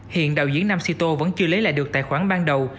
hiện đạo diễn nam si tô vẫn chưa lấy lại được tài khoản ban đầu